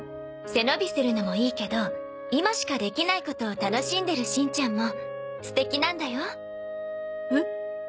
背伸びするのもいいけど今しかできないことを楽しんでるしんちゃんも素敵なんだよ。